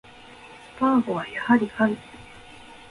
スパーゴはやはり神